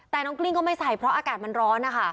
แต่น้องกลิ้งก็ไม่ใส่เพราะอากาศมันร้อนนะคะ